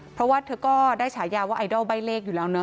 เพราะว่าเธอก็ได้ฉายาว่าไอดอลใบ้เลขอยู่แล้วเนอ